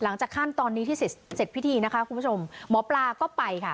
หลังจากขั้นตอนนี้ที่เสร็จเสร็จพิธีนะคะคุณผู้ชมหมอปลาก็ไปค่ะ